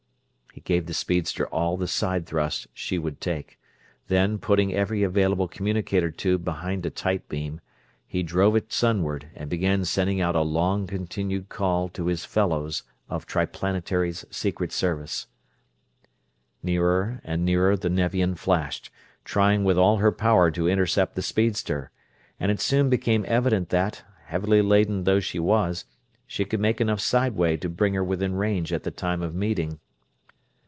He gave the speedster all the side thrust she would take; then, putting every available communicator tube behind a tight beam, he drove it sunward and began sending out a long continued call to his fellows of Triplanetary's Secret Service. Nearer and nearer the Nevian flashed, trying with all her power to intercept the speedster; and it soon became evident that, heavily laden though she was, she could make enough sideway to bring her within range at the time of meeting.